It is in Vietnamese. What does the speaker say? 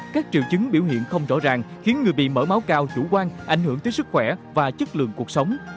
các triệu chứng biểu hiện không rõ ràng khiến người bị mở máu cao chủ quan ảnh hưởng tới sức khỏe và chất lượng cuộc sống